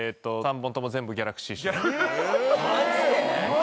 マジで？